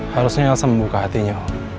harusnya elsa membuka hatinya